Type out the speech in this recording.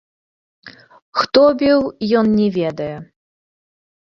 Хто біў, ён не ведае.